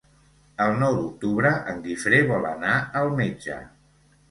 El nou d'octubre en Guifré vol anar al metge.